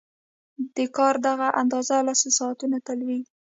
د کار دغه اندازه لسو ساعتونو ته لوړېږي